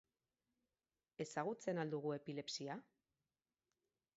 Ezagutzen al dugu epilepsia?